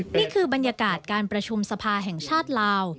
นี่คือบรรยากาศการประชุมสภาแห่งชาติลาว